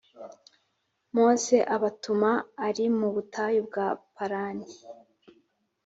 Mose abatuma ari mu butayu bwa Parani